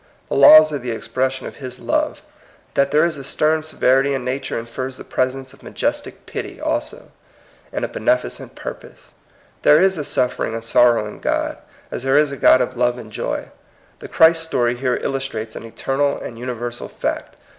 The laws are the expression of his love. That there is a stem severity in nature infers the presence of majestic pity also, and a beneficent pur^ pose. There is a suffering and sorrowing God, as there is a God of love and joy. The ChristHstory here illustrates an eter nal and universal fact.